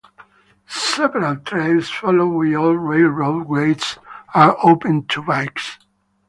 Several trails following old railroad grades are open to bikes.